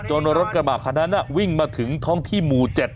รถกระบะคันนั้นวิ่งมาถึงท้องที่หมู่๗